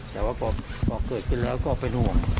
แต่ว่าพอเกิดขึ้นแล้วก็เป็นห่วง